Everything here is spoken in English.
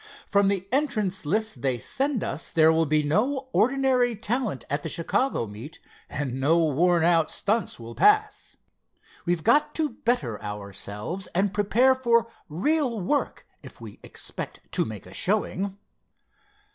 "From the entrants' list they send us there will be no ordinary talent at the Chicago meet and no worn out stunts will pass. We've got to better ourselves and prepare for real work, if we expect to make a showing."